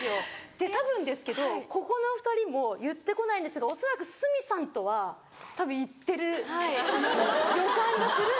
でたぶんですけどここの２人も言ってこないんですが恐らく鷲見さんとはたぶん行ってる予感がするんですよ。